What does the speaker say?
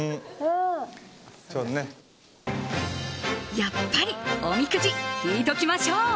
やっぱり、おみくじ引いときましょう！